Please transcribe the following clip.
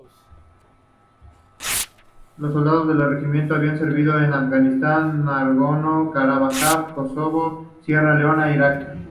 Los soldados del Regimiento han servido en Afganistán, Nagorno-Karabaj, Kosovo, Sierra Leona e Irak.